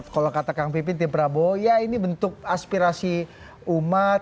kalau kata kang pipin tim prabowo ya ini bentuk aspirasi umat